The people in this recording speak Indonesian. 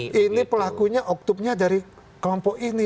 ini pelakunya oktubnya dari kelompok ini